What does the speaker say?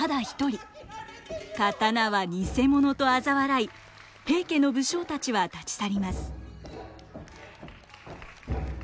刀は偽物とあざ笑い平家の武将たちは立ち去ります。